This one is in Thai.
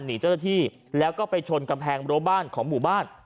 หนีเจ้าหน้าที่แล้วก็ไปชนกำแพงรั้วบ้านของหมู่บ้าน